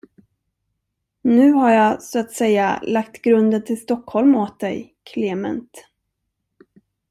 Nu har jag, så att säga, lagt grunden till Stockholm åt dig, Klement.